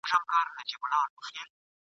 موږ له خپل نصیبه له وزر سره راغلي یو !.